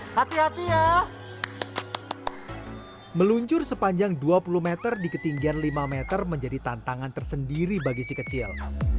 hati hati ya meluncur sepanjang dua puluh meter di ketinggian lima meter menjadi tantangan tersendiri bagi si kecil